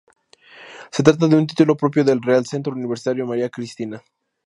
Se trata de un título propio del Real Centro Universitario María Cristina.